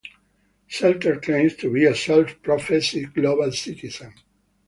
Zelter claims to be a self professed 'global citizen'.